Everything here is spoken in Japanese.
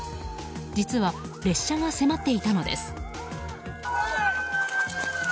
実は、列車が迫っていたのです。